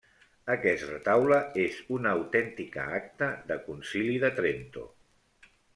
Aquest retaule és una autèntica acta de Concili de Trento.